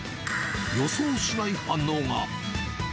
予想しない反応が。